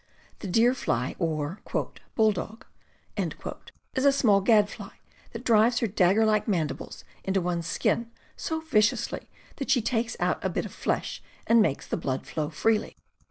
The deer fly or "bull dog" is a small gad fly that drives her dagger like mandibles into one's skin so vicious ly that she takes out a bit of flesh and makes the blood flow freely.